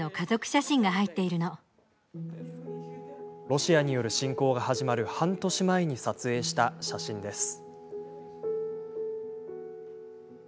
ロシアによる侵攻が始まる半年前に撮影した写真です。